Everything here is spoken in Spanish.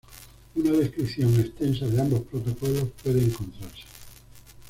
Una descripción extensa de ambos protocolos puede encontrarse